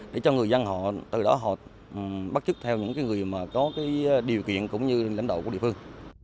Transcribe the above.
để cho người dân họ từ đó họ bắt chức theo những người mà có điều kiện cũng như lãnh đạo của địa phương